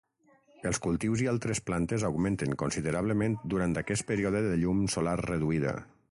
Els cultius i altres plantes augmenten considerablement durant aquest període de llum solar reduïda.